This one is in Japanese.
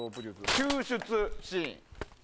救出シーン。